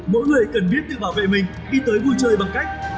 mỗi người cần biết tự bảo vệ mình khi tới vui chơi bằng cách